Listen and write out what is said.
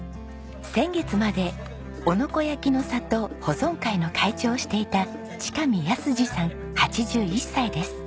先月まで男ノ子焼の里保存会の会長をしていた近見泰治さん８１歳です。